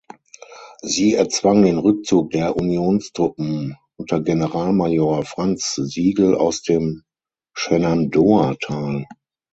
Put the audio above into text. Sie erzwang den Rückzug der Unionstruppen unter Generalmajor Franz Sigel aus dem Shenandoah-Tal.